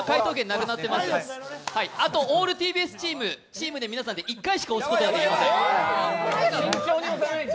あとオールＴＢＳチーム、チームで皆さんで１回しか押すことができません。